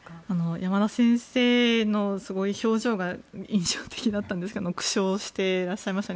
山田先生の表情が印象的だったんですが苦笑していらっしゃいましたね。